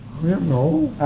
không dám ngủ